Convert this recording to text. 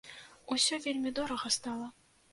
Усё вельмі дорага стала.